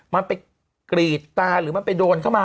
มันไปกรีดตาหรือมันไปโดนเข้ามา